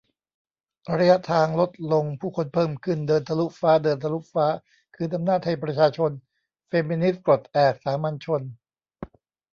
ระยะทางลดลงผู้คนเพิ่มขึ้น เดินทะลุฟ้า เดินทะลุฟ้าคืนอำนาจให้ประชาชน เฟมินิสต์ปลดแอก สามัญชน